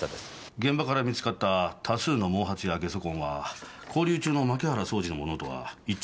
現場から見つかった多数の毛髪やゲソ痕は拘留中の槇原惣司のものとは一致しませんでした。